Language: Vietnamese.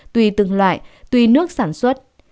tùy từng loại tùy nước sản xuất